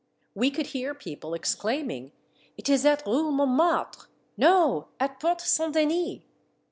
We could hear people ex claiming, "■ It is at Rue Montmartre ! no — at Porte Saint Denis."